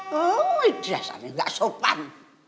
wajahsanya gak sopan